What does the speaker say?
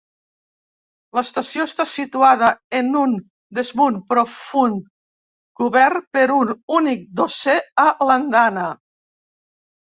L'estació està situada en un desmunt profund cobert per un únic dosser a l'andana.